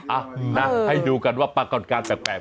เอานะให้ดูกันว่าข้างก้อนการณ์แปลก